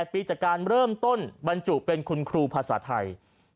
๘ปีจากการเริ่มต้นบรรจุเป็นคุณครูภาษาไทย